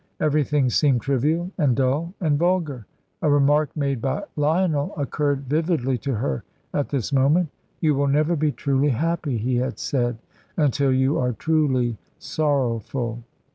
Everything seemed trivial and dull and vulgar. A remark made by Lionel occurred vividly to her at this moment. "You will never be truly happy," he had said, "until you are truly sorrowful."